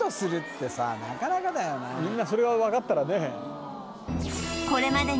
いやみんなそれが分かったらね